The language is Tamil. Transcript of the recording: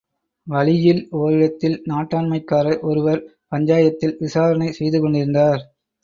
வழியில், ஒரிடத்தில், நாட்டாண்மைக்காரர் ஒருவர் பஞ்சாயத்தில் விசாரணை செய்துகொண்டிருந்தார்.